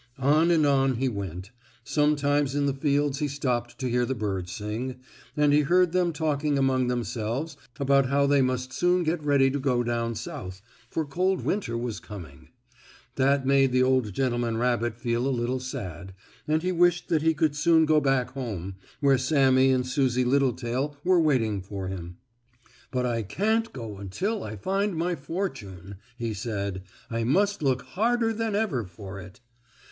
On and on he went. Sometimes in the fields he stopped to hear the birds sing, and he heard them talking among themselves about how they must soon get ready to go down South, for cold weather was coming. That made the old gentleman rabbit feel a little sad, and he wished that he could soon go back home, where Sammie and Susie Littletail were waiting for him. "But I can't go until I find my fortune," he said. "I must look harder than ever for it."